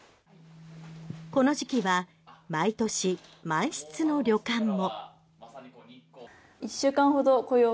この時期は毎年、満室の旅館も。